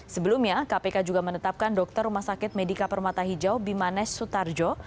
sebelumnya kpk juga menetapkan dokter rumah sakit medika permata hijau bimanesh sutarjo